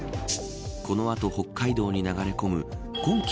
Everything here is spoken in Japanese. この後、北海道に流れ込む今季